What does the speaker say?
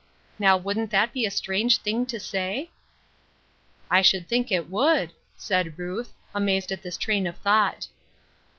Now wouldn't that be a strange thing to say ?"" I should think it would," said Ruth, amazed at this train of thought.